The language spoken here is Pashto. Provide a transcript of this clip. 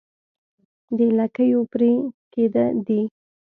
د لکيو پرې کېده دي